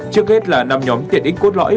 trước hết là năm nhóm tiện ích cốt lõi